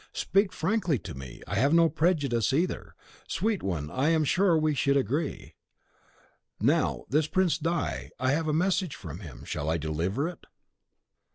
Speak frankly to me; I have no prejudice either. Sweet one, I am sure we should agree. Now, this Prince di , I have a message from him. Shall I deliver it?"